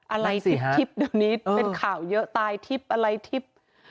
อะไรทิปเดี๋ยวนี้เป็นข่าวเยอะตายทิปอะไรทิป